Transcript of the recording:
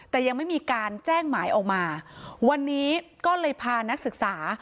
แต่ยังไม่มีการแจ้งหมายออกมาวันนี้ก็เลยพานักศึกษา